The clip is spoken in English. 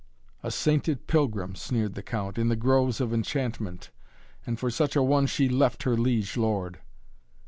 "A sainted pilgrim," sneered the Count, "in the Groves of Enchantment. And for such a one she left her liege lord."